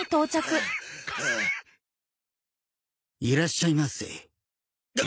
いらっしゃいませ。